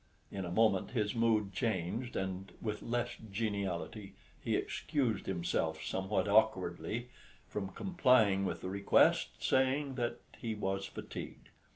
In a moment his mood changed, and with less geniality he excused himself, somewhat awkwardly, from complying with the request, saying that he was fatigued.